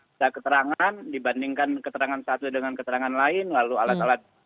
minta keterangan dibandingkan keterangan satu dengan keterangan lain lalu alat alat